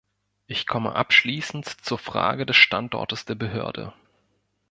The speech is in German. Ich komme abschließend zur Frage des Standortes der Behörde.